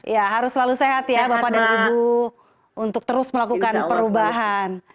ya harus selalu sehat ya bapak dan ibu untuk terus melakukan perubahan